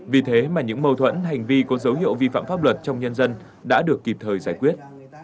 vì thế mà những mâu thuẫn hành vi có dấu hiệu vi phạm pháp luật trong nhân dân đã được kịp thời giải quyết